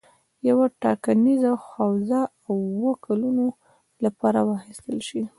یوه ټاکنیزه حوزه د اووه کلونو لپاره واخیستل شي.